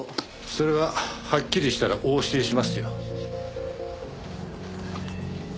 それははっきりしたらお教えしますよ。